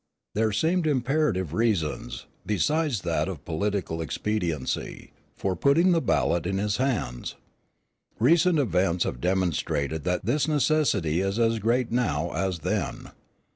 There seemed imperative reasons, besides that of political expediency, for putting the ballot in his hands. Recent events have demonstrated that this necessity is as great now as then.